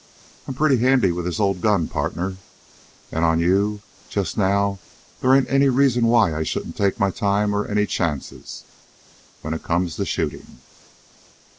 "I'm pretty handy with this old gun, partner. And on you, just now, they ain't any reason why I should take my time or any chances, when it comes to shooting."